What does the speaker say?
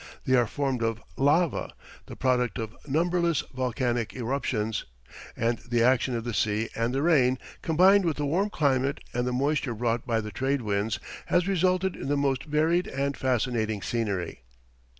They are formed of lava the product of numberless volcanic eruptions and the action of the sea and the rain, combined with the warm climate and the moisture brought by the trade winds, has resulted in the most varied and fascinating scenery.